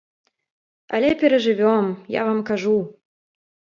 Але перажывём, я вам кажу.